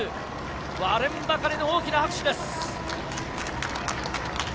割れんばかりの大きな拍手です。